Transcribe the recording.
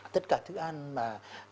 tất cả thức ăn mà